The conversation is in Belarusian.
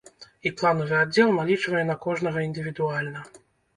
І планавы аддзел налічвае на кожнага індывідуальна.